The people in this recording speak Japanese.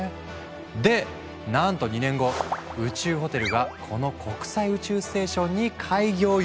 でなんと２年後宇宙ホテルがこの国際宇宙ステーションに開業予定！